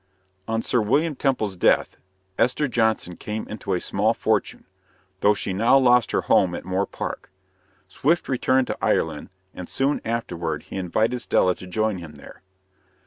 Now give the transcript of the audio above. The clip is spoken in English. On Sir William Temple's death, Esther John son came into a small fortune, though she now lost her home at Moor Park. Swift returned to Ireland, and soon afterward he invited Stella to join him there.